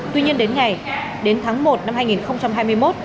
tuy nhiên đến ngày đến tháng một năm hai nghìn hai mươi một